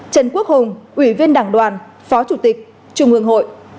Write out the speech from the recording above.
trần quốc hùng ủy viên đảng đoàn phó chủ tịch trung ương hội